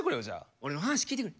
俺の話聞いてくれ。